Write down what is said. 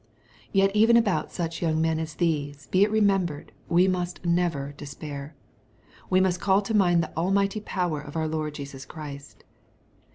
Yet even about such young men as these, be it remem bered, we must never despair. We must call to mind the almighty power of our Lord Jesus Christ.